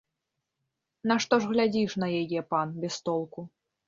Нашто ж глядзіш на яе, пан, без толку?